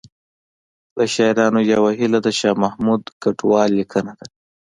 له شاعرانو یوه هیله د شاه محمود کډوال لیکنه ده